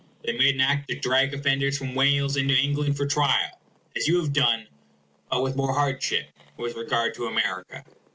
They made an Act to drag offenders from Wales into England for trial, as you have done (but with more hardship) with regard to America.